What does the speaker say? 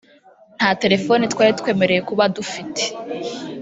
nta telefone twari twemerewe kuba dufite